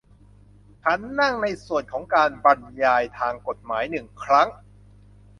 ฉันนั่งในส่วนของการบรรยายทางกฎหมายหนึ่งครั้ง